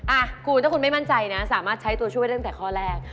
อ่ะคุณถ้าคุณไม่มั่นใจนะสามารถใช้ตัวช่วยตั้งแต่ข้อแรก